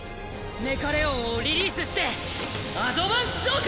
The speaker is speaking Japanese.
メカレオンをリリースしてアドバンス召喚！